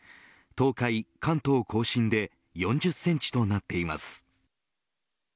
東海、関東甲信で４０センチとなっています。